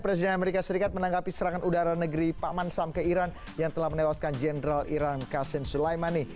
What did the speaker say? presiden as menanggapi serangan udara negeri paman sam ke iran yang telah menewaskan jenderal iran qasem soleimani